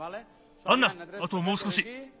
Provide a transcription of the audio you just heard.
あともうすこし。